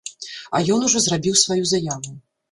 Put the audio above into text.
А ён ужо зрабіў сваю заяву.